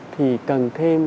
thì cần thêm